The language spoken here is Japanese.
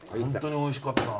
おいしかったです